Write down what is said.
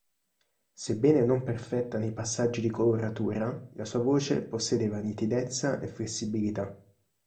Sebbene non perfetta nei passaggi di coloratura, la sua voce possedeva nitidezza e flessibilità.